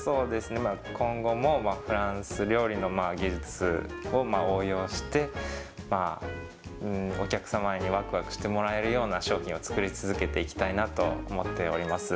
今後もフランス料理の技術を応用してお客様にわくわくしてもらえるような商品を作り続けていきたいなと思っております。